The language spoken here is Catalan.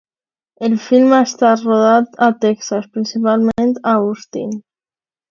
El film ha estat rodat a Texas, principalment a Austin.